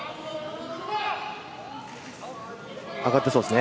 上がってそうですね。